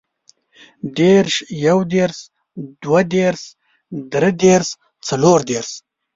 دېرش، يودېرش، دوهدېرش، دريدېرش، څلوردېرش